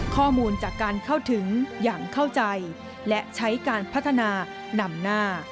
ข้อมูลจากการเข้าถึงอย่างเข้าใจและใช้การพัฒนานำหน้า